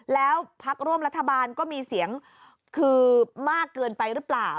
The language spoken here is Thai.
แล้วพักร่วมรัฐบาลก็มีเสียงคือมากเกินไปหรือเปล่า